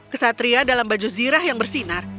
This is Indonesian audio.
kesatria dalam baju zirah yang bersinar